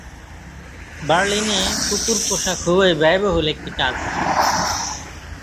বার্লিনে কুকুর পোষা খুবই ব্যয়বহুল একটি কাজ।